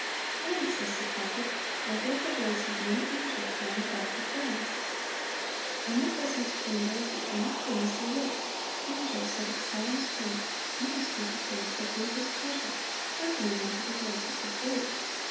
And, says the prophet, "I heard the voice of many angels round about the throne." In the presence chamber of the King of kings they wait—"angels, that excel in strength," "ministers of His, that do His pleasure," "hearkening unto the voice of His word."